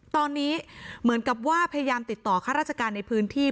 ตอนนี้เหมือนกับว่าพยายามติดต่อข้าราชการในพื้นที่